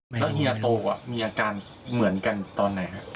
แล้วเฮียโตมีอาการเหมือนกันตอนไหนครับ